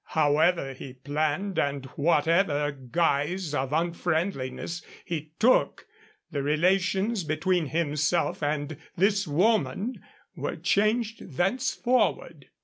However he planned and whatever guise of unfriendliness he took, the relations between himself and this woman were changed thenceforward.